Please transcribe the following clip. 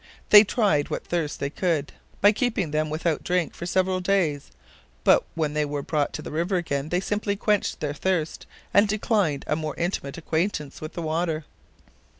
They tried what thirst would do, by keeping them without drink for several days, but when they were brought to the river again, they simply quenched their thirst, and declined a more intimate acquaintance with the water.